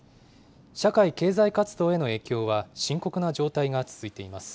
社会・経済活動への影響は、深刻な状態が続いています。